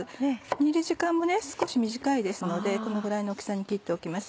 煮る時間も少し短いですのでこのぐらいの大きさに切っておきます。